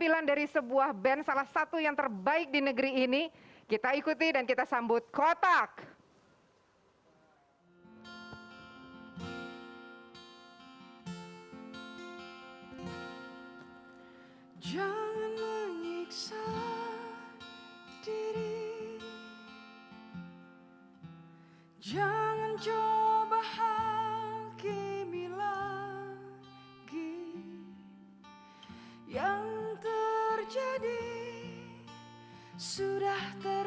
jangan lupa untuk berikan duit kepada tuhan